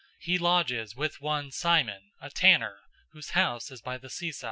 010:006 He lodges with one Simon, a tanner, whose house is by the seaside.